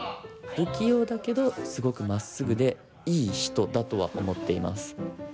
不器用だけどすごくまっすぐでいい人だとは思っています。